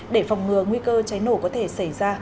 để phòng ngừa nguy cơ cháy nổ có thể xảy ra